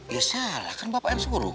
ya salah kan bapak yang suruh